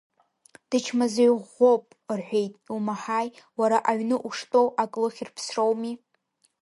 Дычмазаҩ ӷәӷәоуп, рҳәеит, иумаҳаи, уара аҩны уштәоу, ак лыхьыр ԥсроуми!